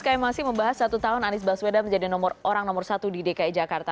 kami masih membahas satu tahun anies baswedan menjadi orang nomor satu di dki jakarta